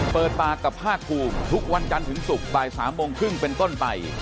เปิดปากกับภาคภูมิทุกวันจันทร์ถึงศุกร์บ่าย๓โมงครึ่งเป็นต้นไป